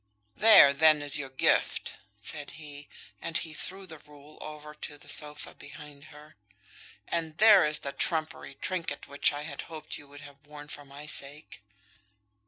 "There, then, is your gift," said he, and he threw the rule over on to the sofa behind her. "And there is the trumpery trinket which I had hoped you would have worn for my sake."